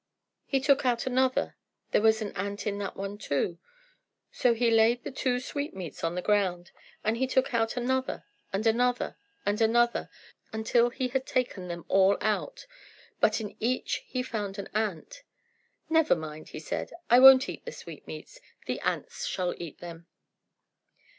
He took out another. There was an ant in that one too. So he laid the two sweetmeats on the ground, and he took out another, and another, and another, until he had taken them all out; but in each he found an ant. "Never mind," he said, "I won't eat the sweetmeats; the ants shall eat them."